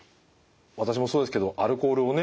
私もそうですけどアルコールをね